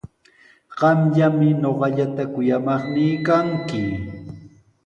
Qamllami ñuqallata kuyamaqnii kanki.